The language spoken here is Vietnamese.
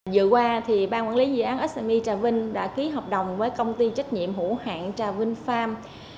dựa qua ban quản lý dự án sme trà vinh đã ký hợp đồng với công ty trách nhiệm hữu hạn trà vinh farm